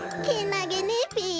けなげねべ。